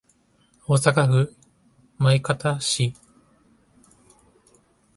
大阪府枚方市